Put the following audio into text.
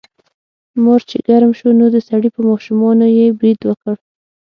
مار چې ګرم شو نو د سړي په ماشومانو یې برید وکړ.